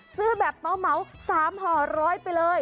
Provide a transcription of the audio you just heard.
ซื้อแบบเมา๓ห่อ๑๐๐บาทไปเลย